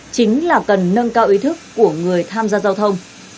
chính là cần nâng cao ý thức của người tham gia giao thông